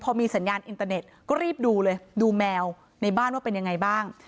พอมีสัญญาณอินเตอร์เน็ตก็รีบดูเลยดูแมวในบ้านว่าเป็นยังไงบ้าง